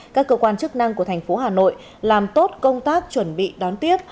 các cơ quan chức năng của thành phố hà nội làm tốt công tác chuẩn bị đón tiếp